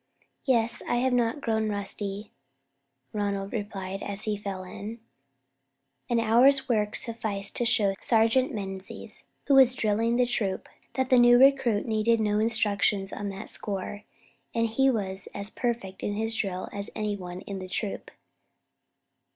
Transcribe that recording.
"Yes; I have not grown rusty," Ronald replied, as he fell in. An hour's work sufficed to show Sergeant Menzies, who was drilling the troop, that the new recruit needed no instructions on that score, and that he was as perfect in his drill as any one in the troop.